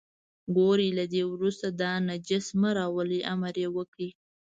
ګورئ له دې وروسته دا نجس مه راولئ، امر یې وکړ.